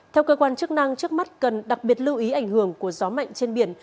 theo cơ quan chức năng trước mắt cần đặc biệt lưu ý ảnh hưởng của gió mạnh trên biển